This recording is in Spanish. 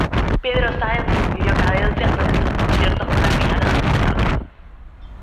Pedro Sáenz escribió cadencias para los conciertos para piano de Mozart.